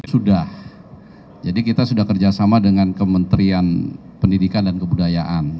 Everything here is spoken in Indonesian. sudah jadi kita sudah kerjasama dengan kementerian pendidikan dan kebudayaan